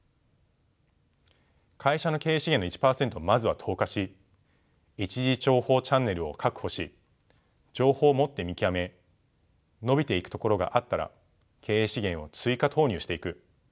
会社の経営資源の１％をまずは投下し一次情報チャンネルを確保し情報をもって見極め伸びていくところがあったら経営資源を追加投入していく。